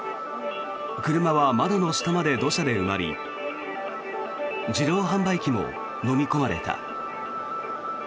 車は窓の下まで土砂で埋まり自動販売機ものみ込まれた。